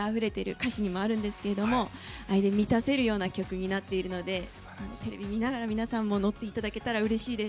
歌詞にもあるんですけど愛で満たせるような曲になっているのでテレビを見ながら皆さんも乗っていただけたらうれしいです。